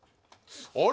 あれ？